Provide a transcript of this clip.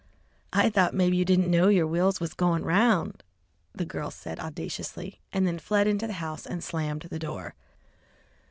"I thought maybe you didn't know your wheels was going 'round!" the girl said audaciously, then fled into the house and slammed the door.